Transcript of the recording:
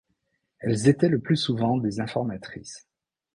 Elles étaient le plus souvent des informatrices.